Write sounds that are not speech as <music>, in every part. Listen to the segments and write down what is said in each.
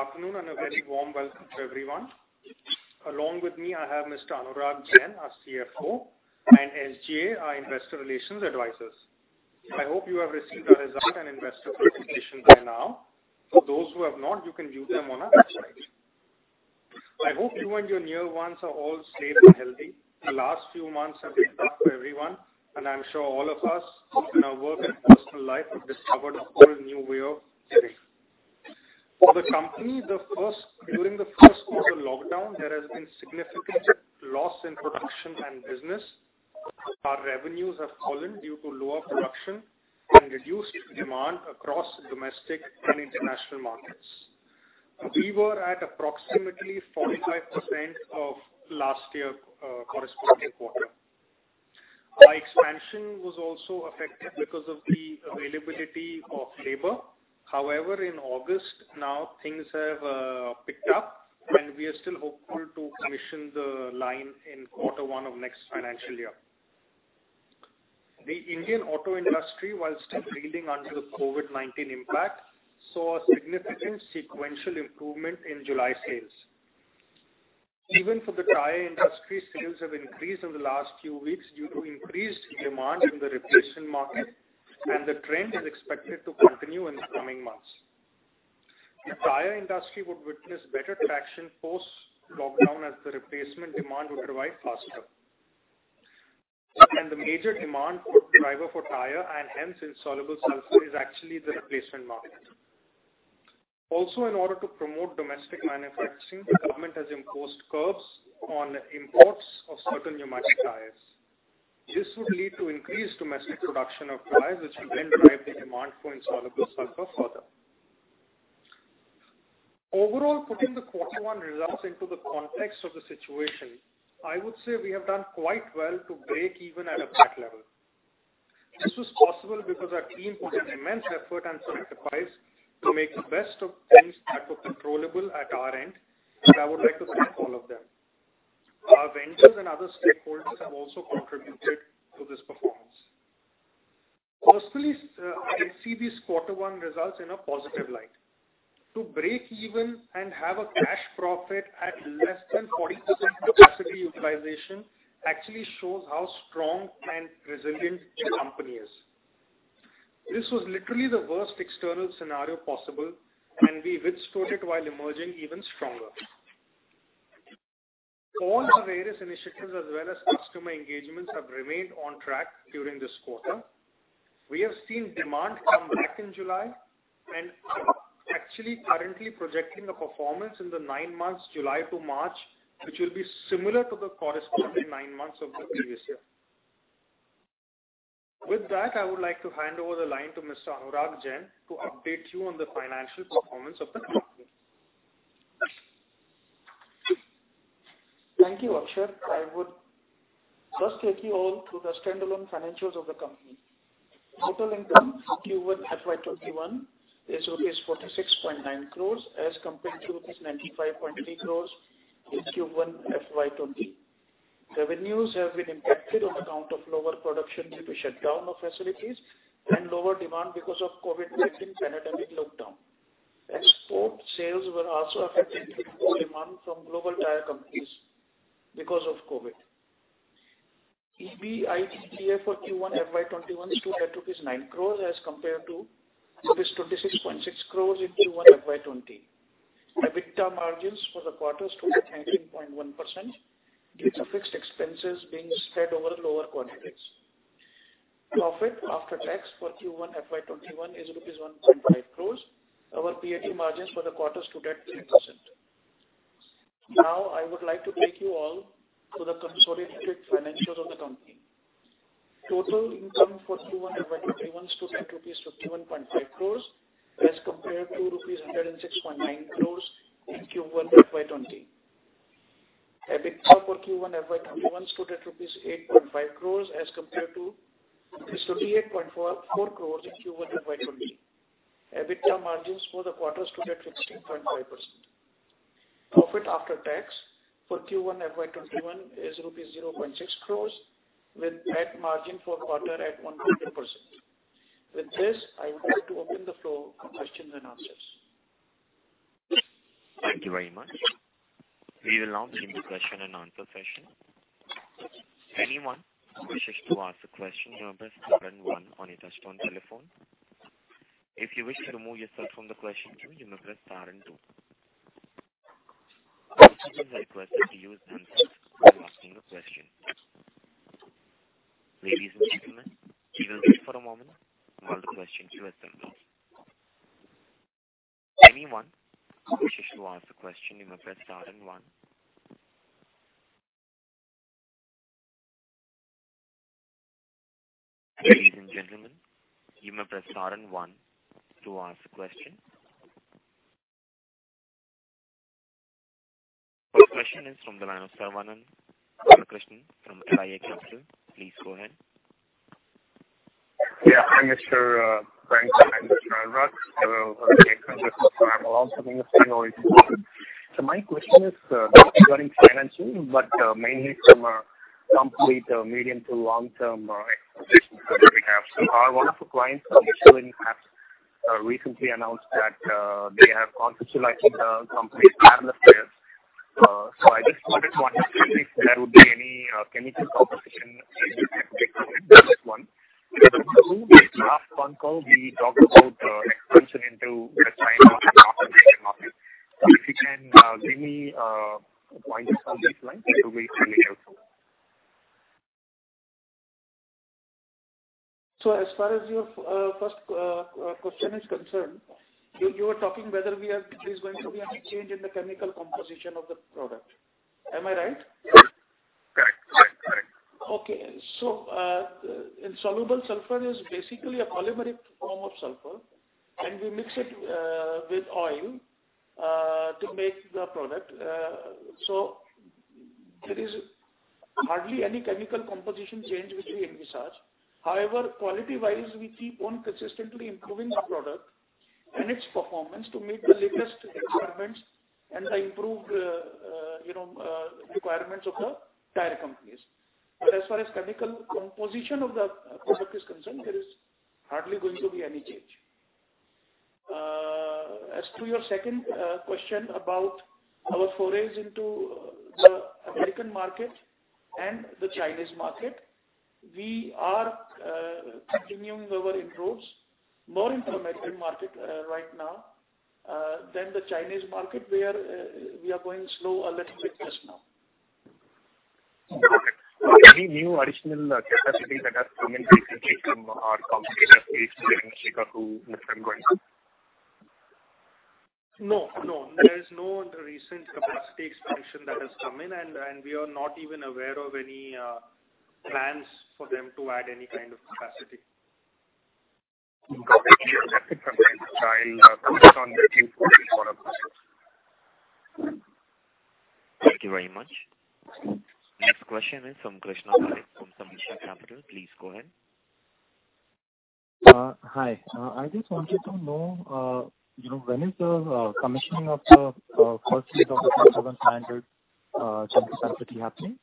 Good afternoon and a very warm welcome to everyone. Along with me, I have Mr. Anurag Jain, our CFO, and SGA, our investor relations advisors. I hope you have received our result and investor presentation by now. For those who have not, you can view them on our website. I hope you and your near ones are all safe and healthy. The last few months have been tough for everyone, and I'm sure all of us in our work and personal life have discovered a whole new way of living. For the company, during the first quarter lockdown, there has been significant loss in production and business. Our revenues have fallen due to lower production and reduced demand across domestic and international markets. We were at approximately 45% of last year corresponding quarter. Our expansion was also affected because of the availability of labor. However, in August now things have picked up and we are still hopeful to commission the line in quarter one of next financial year. The Indian auto industry, while still reeling under the COVID-19 impact, saw a significant sequential improvement in July sales. Even for the tire industry, sales have increased over the last few weeks due to increased demand in the replacement market, and the trend is expected to continue in the coming months. The tire industry would witness better traction post-lockdown as the replacement demand would revive faster. The major demand driver for tire and hence insoluble sulfur is actually the replacement market. Also, in order to promote domestic manufacturing, the government has imposed curbs on imports of certain pneumatic tires. This would lead to increased domestic production of tires, which will then drive the demand for insoluble sulfur further. Overall, putting the Q1 results into the context of the situation, I would say we have done quite well to break even at a PAT level. This was possible because our team put an immense effort and sacrifice to make the best of things that were controllable at our end, and I would like to thank all of them. Our ventures and other stakeholders have also contributed to this performance. Personally, I see these Q1 results in a positive light. To break even and have a cash profit at less than 40% capacity utilization actually shows how strong and resilient the company is. This was literally the worst external scenario possible, and we withstood it while emerging even stronger. All the various initiatives as well as customer engagements have remained on track during this quarter. We have seen demand come back in July and actually currently projecting the performance in the nine months July to March, which will be similar to the corresponding nine months of the previous year. With that, I would like to hand over the line to Mr. Anurag Jain to update you on the financial performance of the company. Thank you, Akshat. I would first take you all through the standalone financials of the company. Total income Q1 FY 2021 is rupees 46.9 crores as compared to rupees 95.3 crores in Q1 FY 2020. Revenues have been impacted on account of lower production due to shutdown of facilities and lower demand because of COVID-19 pandemic lockdown. Export sales were also affected due to low demand from global tire companies because of COVID. EBITDA for Q1 FY 2021 stood at rupees 9 crores as compared to rupees 26.6 crores in Q1 FY 2020. EBITDA margins for the quarter stood at 19.1% due to fixed expenses being spread over lower quantities. Profit after tax for Q1 FY 2021 is INR 1.5 crores. Our PAT margins for the quarter stood at 3%. I would like to take you all through the consolidated financials of the company. Total income for Q1 FY 2021 stood at rupees 51.5 crores as compared to INR 106.9 crores in Q1 FY 2020. EBITDA for Q1 FY 2021 stood at rupees 8.5 crores as compared to rupees 38.4 crores in Q1 FY 2020. EBITDA margins for the quarter stood at 16.5%. Profit after tax for Q1 FY 2021 is rupees 0.6 crores with PAT margin for quarter at 1.2%. I would like to open the floor for questions-and-answers. First question is from the line of Subramanian from IIFL Capital. Please go ahead. Yeah. Hi, Mr. <inaudible> and Mr. Anurag. I will ask something if you don't mind. My question is not regarding financing, but mainly from a complete medium to long-term expectation from your behalf. One of your clients, Michelin, has recently announced that they have conceptualized the company airless tires. I just wanted to know if there would be any chemical composition change with Michelin, that's one. Number two, last conf call, we talked about expansion into the China and North American market. If you can give me pointers on these lines, it'll be really helpful. As far as your first question is concerned, you are talking whether there is going to be any change in the chemical composition of the product. Am I right? Correct. Insoluble Sulphur is basically a polymeric form of Sulphur, and we mix it with oil to make the product. There is hardly any chemical composition change which we envisage. However, quality-wise, we keep on consistently improving the product and its performance to meet the latest requirements and the improved requirements of the tire companies. As far as chemical composition of the product is concerned, there is hardly going to be any change. As to your second question about our forays into the American market and the Chinese market, we are continuing our inroads, more into American market right now than the Chinese market, where we are going slow a little bit just now. Okay. Any new additional capacity that has come in recently from our competitors, be it Michelin, No. There is no recent capacity expansion that has come in, and we are not even aware of any plans for them to add any kind of capacity. Okay. That's it from my end, sir. I'll connect on with you before our close. Thank you very much. Next question is from Krishna Parekh from Samriddhi Capital. Please go ahead. Hi. I just wanted to know when is the commissioning of the phase 1 of the 1,700 ton capacity happening,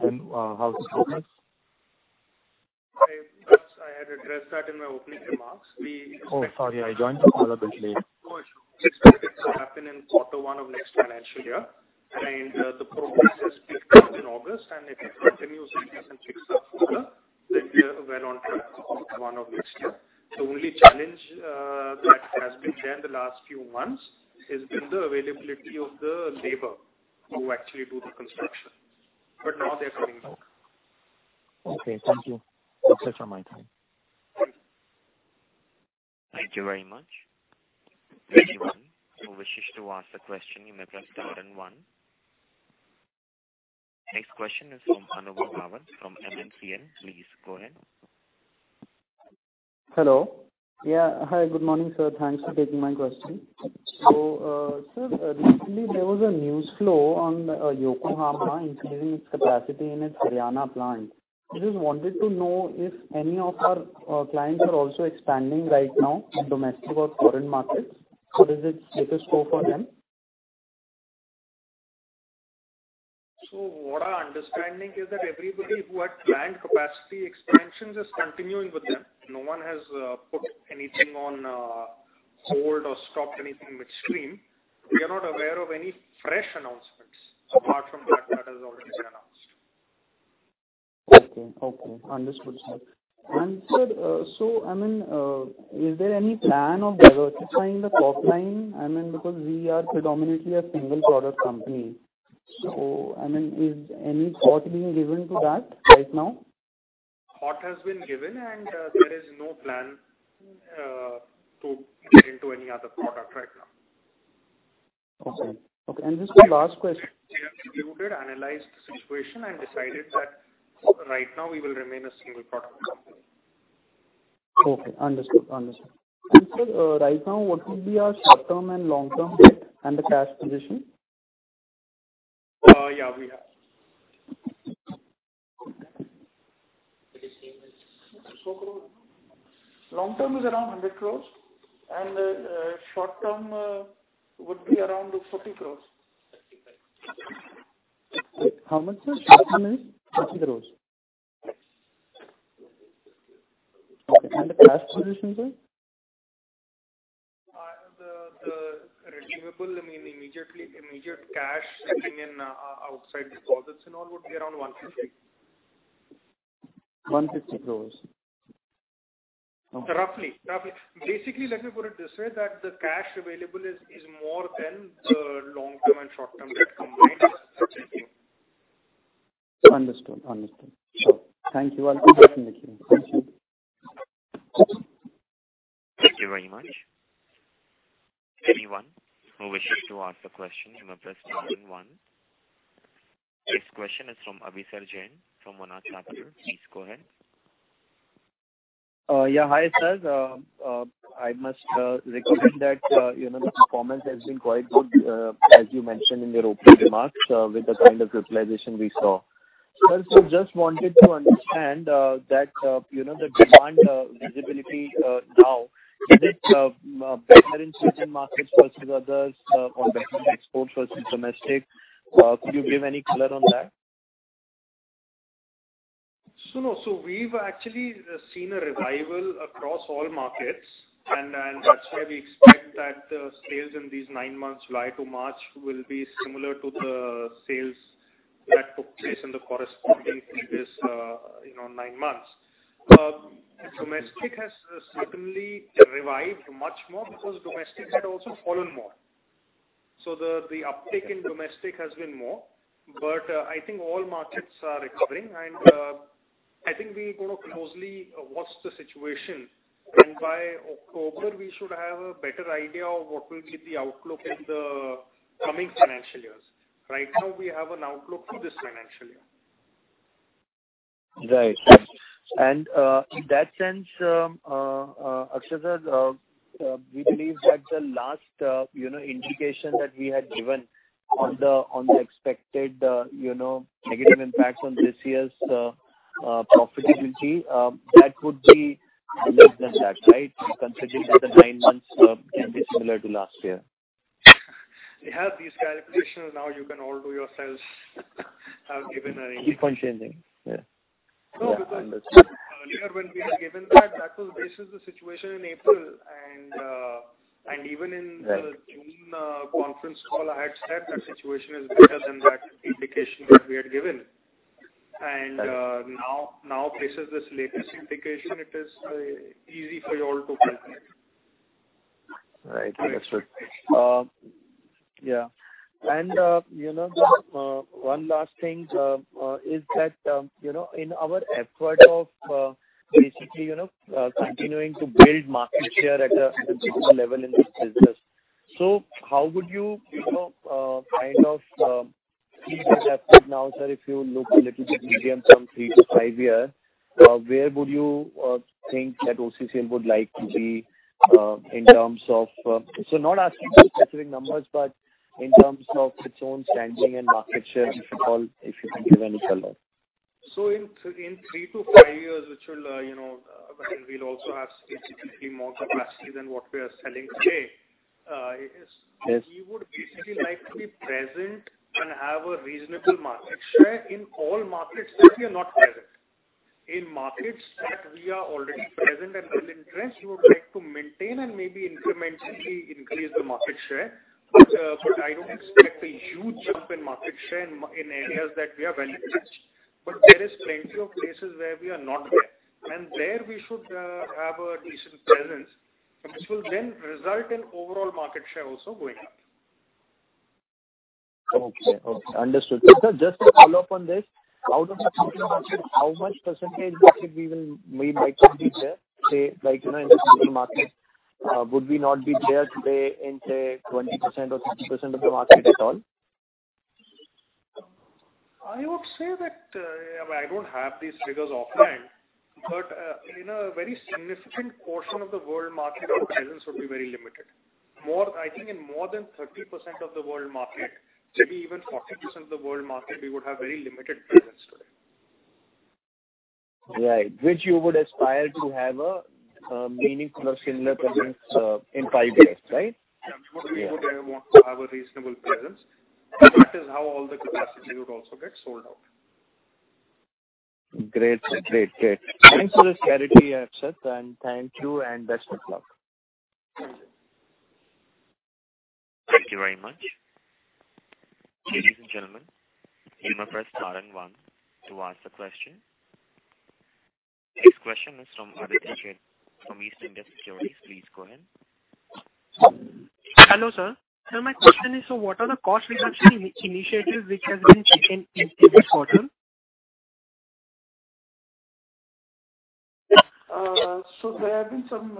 and how the scope is? I had addressed that in my opening remarks. Oh, sorry. I joined the call a bit late. No issue. We expect it to happen in quarter one of next financial year. The progress has picked up in August, and if it continues with the same pace of order, then we are well on track for quarter one of next year. The only challenge that has been there in the last few months has been the availability of the labor who actually do the construction. Now they're coming back. Okay. Thank you. That's it from my side. Thank you very much. Anyone who wishes to ask the question, you may press star then one. Next question is from Anubhav Rawat from MMCL. Please go ahead. Hello. Yeah. Hi. Good morning, sir. Thanks for taking my question. Sir, recently there was a news flow on Yokohama increasing its capacity in its Haryana plant. I just wanted to know if any of our clients are also expanding right now in domestic or foreign markets, or is it status quo for them? What our understanding is that everybody who had planned capacity expansions is continuing with them. No one has put anything on hold or stopped anything midstream. We are not aware of any fresh announcements apart from that has already been announced. Okay. Understood, sir. Sir, is there any plan of diversifying the top line? Because we are predominantly a single product company. Is any thought being given to that right now? Thought has been given, and there is no plan to get into any other product right now. Okay. Just one last question? We have reviewed, analyzed the situation, and decided that right now we will remain a single product company. Okay. Understood. Sir, right now, what would be our short-term and long-term debt and the cash position? Yeah, we have. It is same as. Long-term is around 100 crores and short-term would be around 40 crores. 35. How much, sir? Short-term is INR 40 crores. Okay. The cash position, sir? The receivable, immediate cash sitting in outside deposits and all would be around 150. 150 crores. Okay. Roughly. Basically, let me put it this way, that the cash available is more than the long-term and short-term debt combined as such. Understood. Thank you. I'll be happy with it. Thank you. Thank you very much. Anyone who wishes to ask the question, you may press star then one. This question is from Abhisar Jain from Monarch Capital. Please go ahead. Yeah. Hi, sir. I must recommend that the performance has been quite good as you mentioned in your opening remarks with the kind of utilization we saw. Sir, just wanted to understand that the demand visibility now, is it better in certain markets versus others or better in export versus domestic? Could you give any color on that? We've actually seen a revival across all markets, and that's why we expect that the sales in these nine months, July to March, will be similar to the sales that took place in the corresponding previous nine months. Domestic has certainly revived much more because domestic had also fallen more. The uptick in domestic has been more. I think all markets are recovering, and I think we're going to closely watch the situation and by October, we should have a better idea of what will be the outlook in the coming financial years. Right now, we have an outlook for this financial year. Right. In that sense, Akshat sir, we believe that the last indication that we had given on the expected negative impacts on this year's profitability, that would be less than that, right? Considering that the nine months can be similar to last year. We have these kind of positions now you can all do yourselves. Keep on changing. Yeah. Understood Earlier when we had given that was based on the situation in April. Right The June conference call, I had said the situation is better than that indication that we had given. Now, this is this latest indication, it is easy for you all to calculate. Right. Understood. One last thing is that in our effort of basically continuing to build market share at a digital level in this business. How would you kind of see this effort now, sir, if you look a little bit medium term, three to five years, where would you think that OCCL would like to be in terms of not asking for specific numbers, but in terms of its own standing and market share, if at all, if you can give any color. In three to five years we'll also have significantly more capacity than what we are selling today. Yes. We would basically like to be present and have a reasonable market share in all markets that we are not present. In markets that we are already present and well entrenched, we would like to maintain and maybe incrementally increase the market share. I don't expect a huge jump in market share in areas that we are well entrenched. There is plenty of places where we are not there, and there we should have a decent presence, which will then result in overall market share also going up. Okay. Understood. Sir, just to follow up on this, out of the total market, how much percentage we will make or be there, say, like, in the global market, would we not be there today in, say, 20% or 30% of the market at all? I would say that I don't have these figures offline, but in a very significant portion of the world market, our presence would be very limited. I think in more than 30% of the world market, maybe even 40% of the world market, we would have very limited presence today. Right. Which you would aspire to have a meaningful or similar presence in five years, right? Yeah. We would want to have a reasonable presence. That is how all the capacity would also get sold out. Great. Thanks for the clarity, Akshat. Thank you, and best of luck. Thank you. Thank you very much. Ladies and gentlemen, you may press star and one to ask the question. Next question is from <inaudible> from Eastwind Securities. Please go ahead. Hello, sir. Sir, my question is, what are the cost reduction initiatives which has been taken in this quarter? There have been some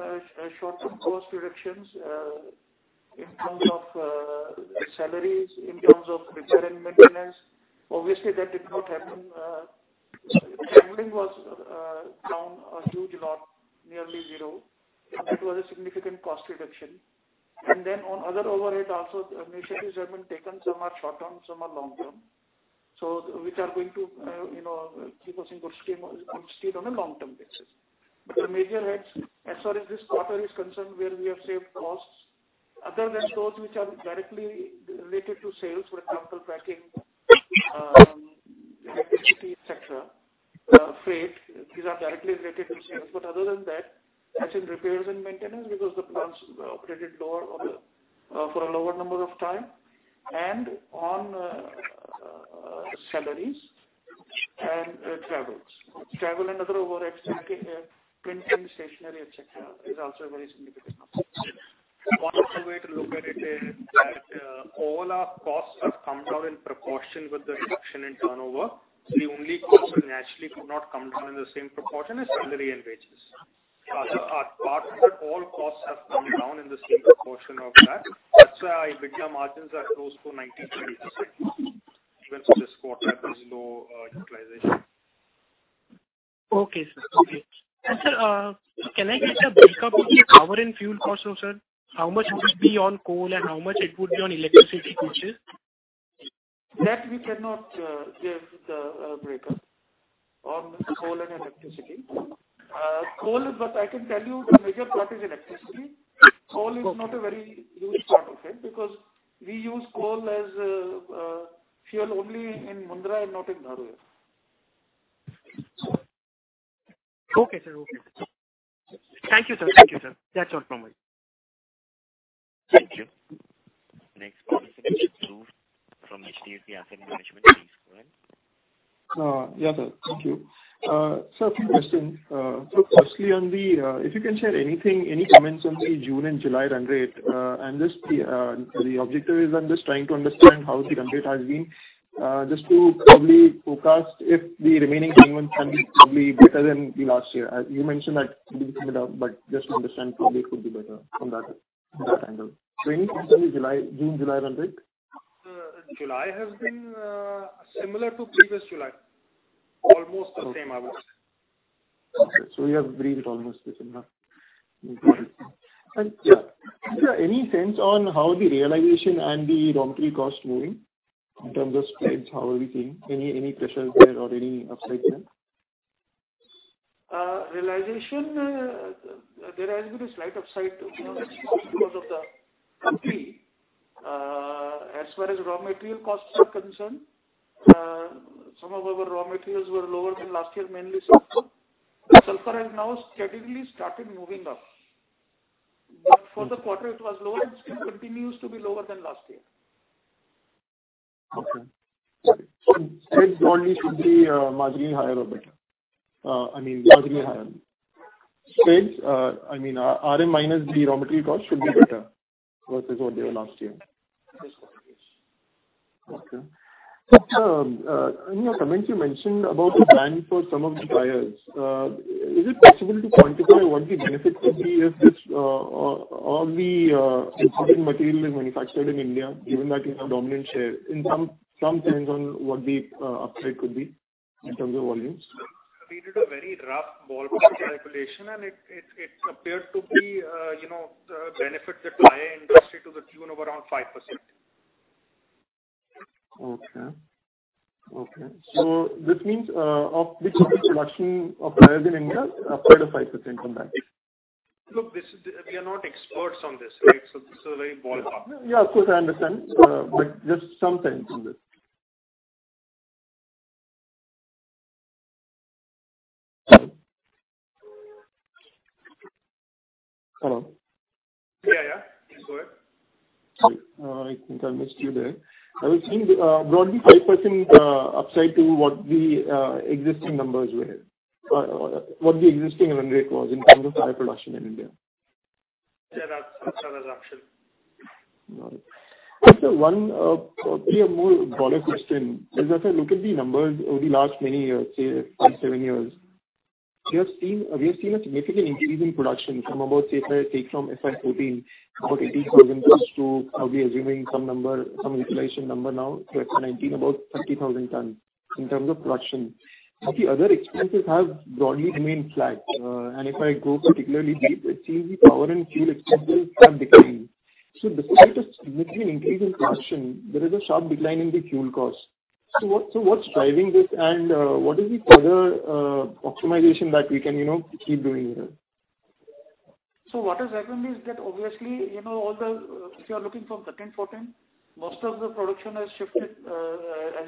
short-term cost reductions in terms of salaries, in terms of repair and maintenance. Obviously, that did not happen. Traveling was down a huge lot, nearly zero. That was a significant cost reduction. Then on other overhead also, initiatives have been taken. Some are short-term, some are long-term, which are going to keep us in good state on a long-term basis. The major heads, as far as this quarter is concerned, where we have saved costs, other than those which are directly related to sales, for example, packing, electricity, et cetera, freight. These are directly related to sales. Other than that's in repairs and maintenance because the plants operated for a lower number of time and on salaries and travels. Travel and other overheads, printing, stationery, et cetera, is also a very significant cost. One of the way to look at it is that all our costs have come down in proportion with the reduction in turnover. The only cost that naturally could not come down in the same proportion is salary and wages. Apart from that, all costs have come down in the same proportion of that. That's why EBITDA margins are close to 19%-20%, even for this quarter at this low utilization. Okay, sir. Sir, can I get a breakup of the power and fuel cost also? How much it would be on coal and how much it would be on electricity purchase? We cannot give the breakup on coal and electricity. I can tell you the major part is electricity. Coal is not a very huge part of it because we use coal as a fuel only in Mundra and not in Dharuhera. Okay, sir. Thank you, sir. That's all from me. Thank you. Next is Dhruv from HDFC Asset Management. Please go ahead. Yes, sir. Thank you. Sir, a few questions. Firstly, if you can share any comments on the June and July run rate. The objective is I'm just trying to understand how the run rate has been, just to probably forecast if the remaining six months can be probably better than the last year. You mentioned that it will be similar, but just to understand probably could be better from that angle. Any thoughts on the June, July run rate? July has been similar to previous July. Almost the same, I would say. Okay. You have breathed almost this in now. Is there any sense on how the realization and the raw material cost moving in terms of spreads? How are we seeing? Any pressures there or any upside sense? Realization, there has been a slight upside because of the country. As far as raw material costs are concerned, some of our raw materials were lower than last year, mainly Sulphur. Sulphur has now steadily started moving up. For the quarter it was lower and still continues to be lower than last year. Okay. Spreads broadly should be marginally higher or better. I mean, marginally higher only. RM minus the raw material cost should be better versus what they were last year. Yes. Okay. In your comments you mentioned about the plan for some of the tires. Is it possible to quantify what the benefit would be if all the existing material is manufactured in India, given that you have dominant share, in some sense on what the upside could be in terms of volumes? We did a very rough ballpark calculation, and it appeared to be the benefit to tire industry to the tune of around 5%. Okay. This means of the production of tires in India, upside of 5% from that. Look, we are not experts on this. This is a very ballpark. Yeah, of course, I understand. Just some sense on this. Hello. Yeah. Go ahead. I think I missed you there. I was saying broadly 5% upside to what the existing numbers were. What the existing run rate was in terms of tire production in India. Yeah, that's about right. Got it. Sir, one probably a more broader question is as I look at the numbers over the last many years, say five, seven years, we have seen a significant increase in production from about, say, if I take from FY 2014, about 18,000 tons to, I'll be assuming some utilization number now, FY 2019 about 30,000 tons in terms of production. The other expenses have broadly remained flat. If I go particularly deep, it seems the power and fuel expenses have declined. Despite a significant increase in production, there is a sharp decline in the fuel cost. What's driving this and what is the further optimization that we can keep doing here? What has happened is that, obviously, if you're looking from 13, 14, most of the production has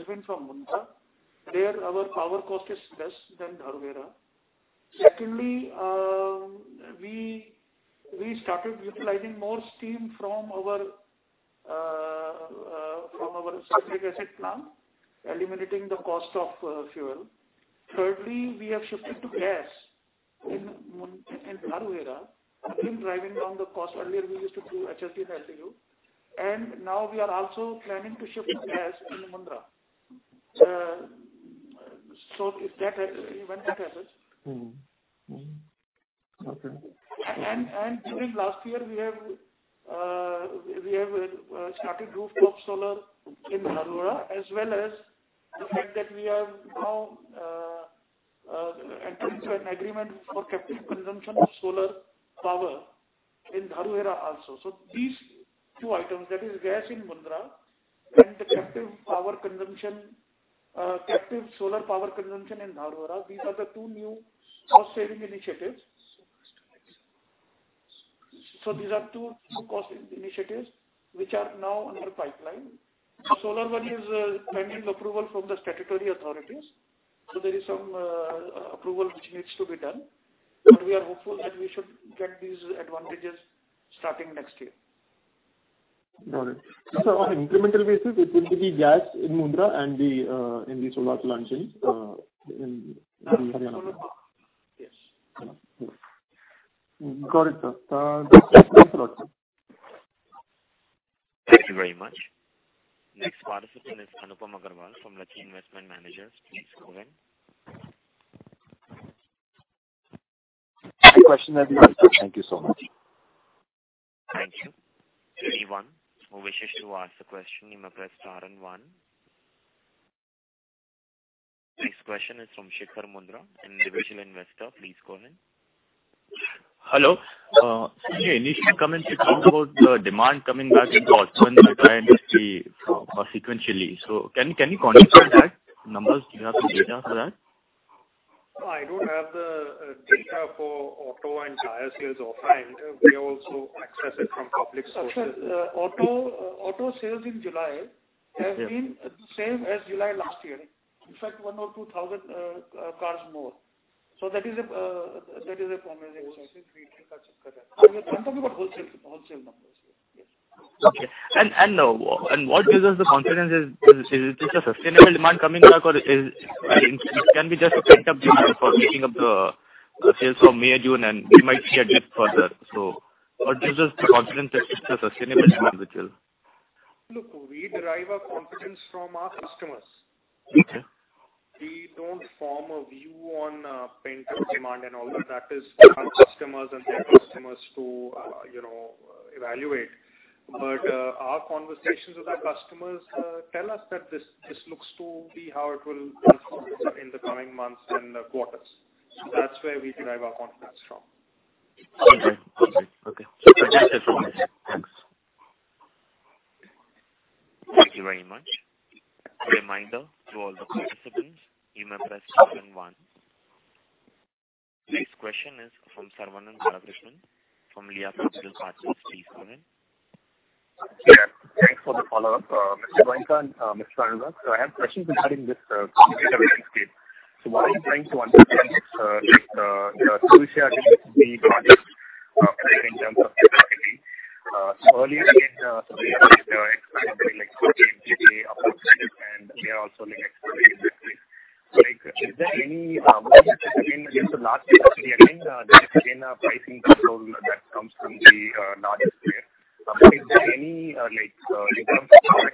been from Mundra. There, our power cost is less than Dharuhera. Secondly, we started utilizing more steam from our Sulphuric Acid plant, eliminating the cost of fuel. Thirdly, we have shifted to gas in Dharuhera, again, driving down the cost. Earlier we used to do HFO and LDO. Now we are also planning to shift to gas in Mundra when that happens. Okay. During last year, we have started rooftop solar in Dharuhera as well as the fact that we have now entered into an agreement for captive consumption of solar power in Dharuhera also. These two items, that is gas in Mundra and the captive solar power consumption in Dharuhera. These are the two new cost-saving initiatives. These are two cost initiatives which are now on our pipeline. The solar one is pending approval from the statutory authorities. There is some approval which needs to be done. We are hopeful that we should get these advantages starting next year. Got it. On an incremental basis, it will be gas in Mundra and the solar consumption in Haryana. Yes. Got it, sir. Thanks a lot, sir. Thank you very much. Next participant is Anupam Agarwal from Lucky Investment Managers. Please go ahead. No question at the moment, sir. Thank you so much. Thank you. Anyone who wishes to ask a question, you may press star and one. Next question is from Shekhar Mundra, individual investor. Please go ahead. Hello. In your initial comments, you talked about the demand coming back into auto and tire industry sequentially. Can you quantify that numbers? Do you have the data for that? I don't have the data for auto and tire sales offhand. We also access it from public sources. Akshat, auto sales in July has been the same as July last year. In fact, one or two thousand cars more. That is a promising sign. Wholesale, retail. I'm talking about wholesale numbers. Yes. Okay. What gives us the confidence is, this a sustainable demand coming back, or it can be just a pent-up demand for making up the sales from May, June, and we might see a dip further? What gives us the confidence that this is a sustainable demand? Look, we derive our confidence from our customers. Okay. We don't form a view on pent-up demand and all that. That is for our customers and their customers to evaluate. Our conversations with our customers tell us that this looks to be how it will perform in the coming months and quarters. That's where we derive our confidence from. Okay. Confidence is from there. Thanks. Thank you very much. A reminder to all the participants, you may press star then one. Next question is from Saravanan Ramakrishnan from Leah Capital Partners. Please go ahead. Yeah, thanks for the follow-up, Mr. Goenka and Mr. Anurag. I have questions regarding this competitive landscape. What are you trying to understand is, like Solutia and Eastman in terms of their capacity. Earlier they had expanded like 40 MTPA approximately, and they are also like expanding that way. Like, is there any, again, it's a large capacity and then there is again a pricing control that comes from the largest player. Is there any, like, in terms of product mix change that comes where customers migrate from Solutia to Oriental Carbon, that is one. The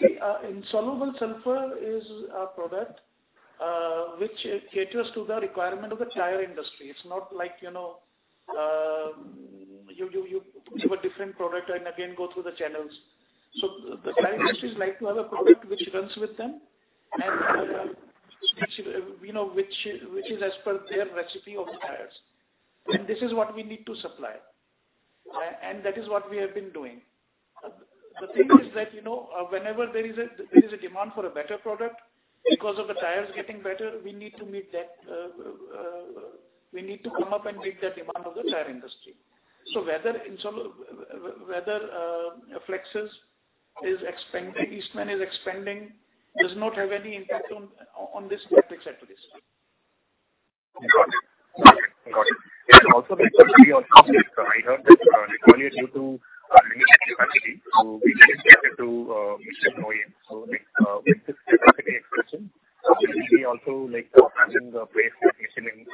See, Insoluble Sulphur is a product which caters to the requirement of the tire industry. It's not like you have a different product and again go through the channels. The tire industry like to have a product which runs with them and which is as per their recipe of the tires. This is what we need to supply, and that is what we have been doing. The thing is that whenever there is a demand for a better product because of the tires getting better, we need to come up and meet that demand of the tire industry. Whether Flexsys is expanding, Eastman is expanding, does not have any impact on this metric set to this. Got it. With capacity expansion, I heard that earlier due to limited capacity, we dedicated to certain OEMs. With this capacity expansion, will we also expand the base of existing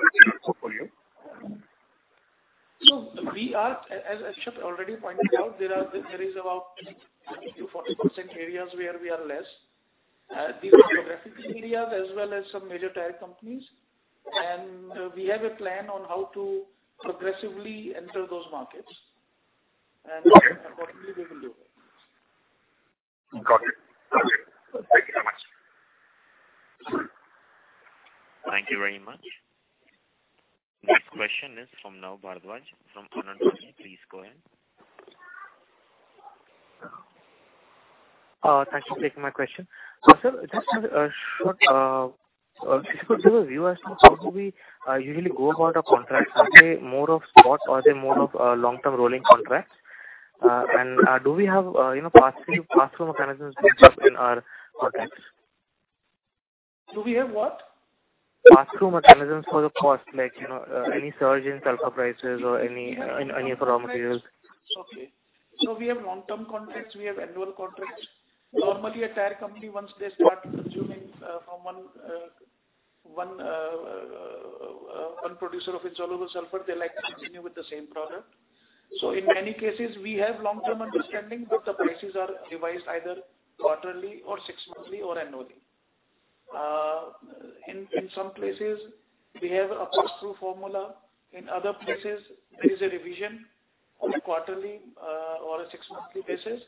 portfolio? We are, as Akshat already pointed out, there is about 30%-40% areas where we are less. These are geographic areas as well as some major tire companies. We have a plan on how to progressively enter those markets, and accordingly we will do that. Got it. Thank you so much. Thank you very much. Next question is from Nav Bhardwaj from Anand Rathi. Please go ahead. Thanks for taking my question. Sir, just for viewer's note, how do we usually go about a contract? Are they more of spot or are they more of long-term rolling contracts? Do we have pass-through mechanisms built up in our contracts? Do we have what? Pass-through mechanisms for the cost, like any surge in Sulphur prices or any for raw materials. Okay. We have long-term contracts. We have annual contracts. Normally, a tire company, once they start consuming from one producer of Insoluble Sulphur, they like to continue with the same product. In many cases, we have long-term understanding, but the prices are revised either quarterly or six-monthly or annually. In some places, we have a pass-through formula. In other places, there is a revision on a quarterly or a six-monthly basis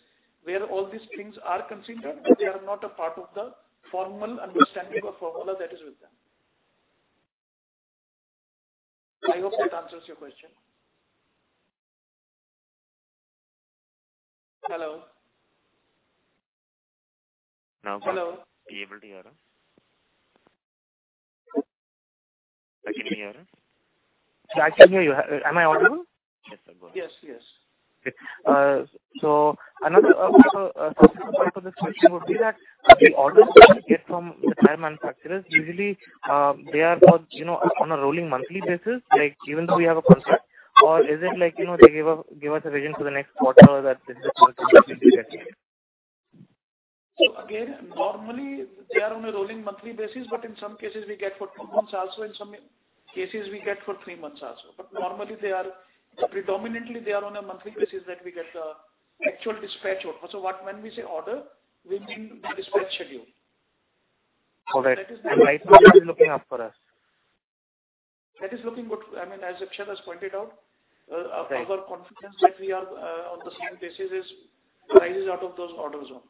where all these things are considered and they are not a part of the formal understanding or formula that is with them. I hope that answers your question. Hello? Nav, are you able to hear us? Can you hear us? Yeah, I can hear you. Am I audible? Yes, sir. Go ahead. Yes. Another follow-up question for this question would be that the orders that you get from the tire manufacturers, usually they are on a rolling monthly basis, like even though we have a contract, or is it like they give us a vision for the next quarter or that this is what we usually get? Again, normally they are on a rolling monthly basis, but in some cases we get for two months also, in some cases we get for three months also. Normally they are predominantly on a monthly basis that we get the actual dispatch. When we say order, we mean the dispatch schedule. All right. Right now it is looking up for us. That is looking good. I mean, as Akshat has pointed out, our confidence that we are on the same basis rises out of those orders only.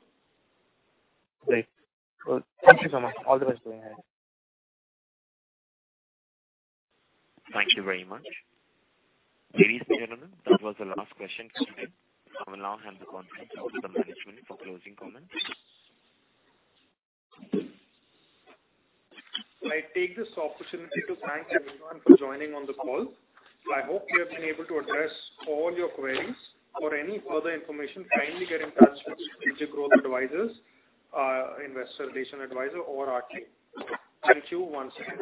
Great. Thank you so much. All the best going ahead. Thank you very much. Ladies and gentlemen, that was the last question coming in. I will now hand the conference over to the management for closing comments. I take this opportunity to thank everyone for joining on the call. I hope we have been able to address all your queries. For any further information, kindly get in touch with growth Advisors, Investor Relation Advisor or. <inaudible> Thank you once again.